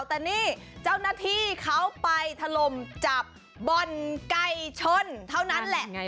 แต่นี่เจ้าหน้าที่เขาไปถล่มจับบ่อนไก่ชนเท่านั้นแหละ